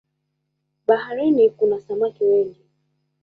Baharini kuna samaki wengi